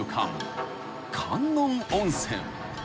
［観音温泉］